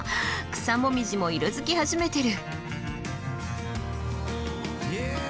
草紅葉も色づき始めてる。